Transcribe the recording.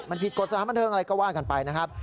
มันผิดกฎสถานบันเทิงอะไรก็ว่ากันไปนะครับ